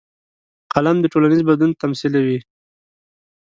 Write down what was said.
قلم د ټولنیز بدلون تمثیلوي